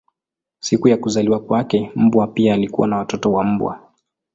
Siku ya kuzaliwa kwake mbwa pia alikuwa na watoto wa mbwa.